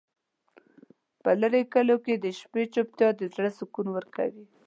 په لرې کلیو کې د شپې چوپتیا د زړه سکون ورکوي.